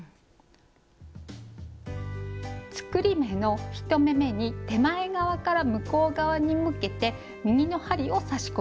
作り目の１目めに手前側から向こう側に向けて右の針を差し込みます。